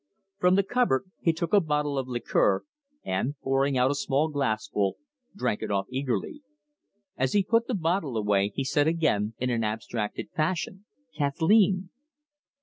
From the cupboard he took a bottle of liqueur, and, pouring out a small glassful, drank it off eagerly. As he put the bottle away, he said again, in an abstracted fashion, "Kathleen!"